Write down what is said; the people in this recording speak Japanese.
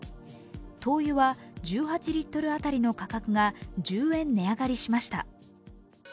灯油は１８リットル当たりの価格が１０円値上がりしました。